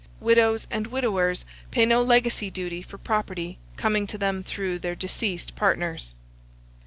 Widows and widowers pay no legacy duty for property coming to them through their deceased partners.